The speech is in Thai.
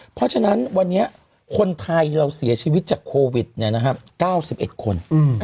เพราะฉะนั้นวันนี้คนไทยเราเสียชีวิตจากโควิด๙๑คน